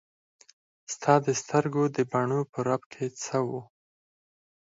ستا د سترګو د بڼو په رپ کې څه وو.